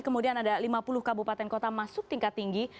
kemudian ada lima puluh kabupaten kota masuk tingkat tinggi